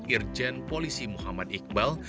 irjen polisi muhammad ibrahim